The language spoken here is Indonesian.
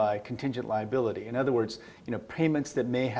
yang diambil oleh kegiatan kontingent